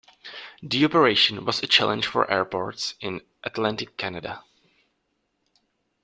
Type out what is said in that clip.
The operation was a challenge for airports in Atlantic Canada.